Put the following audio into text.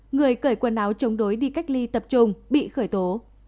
người cởi quần áo chống đối đi cách ly tập trung bị khởi tố